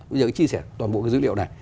bây giờ cũng chia sẻ toàn bộ cái dữ liệu này